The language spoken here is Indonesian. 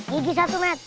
gigi satu mat